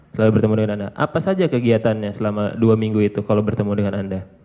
selalu bertemu dengan anda apa saja kegiatannya selama dua minggu itu kalau bertemu dengan anda